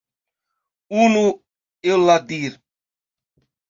Unu el la dir.